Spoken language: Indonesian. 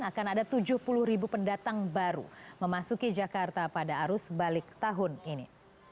akan ada tujuh puluh ribu pendatang baru memasuki jakarta pada arus balik tahun ini